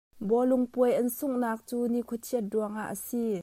Bawlung puai an sunghnak cu nikhua chiat ruangah a si.